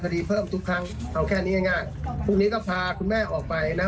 คดีเพิ่มทุกครั้งเอาแค่นี้ง่ายง่ายพรุ่งนี้ก็พาคุณแม่ออกไปนะ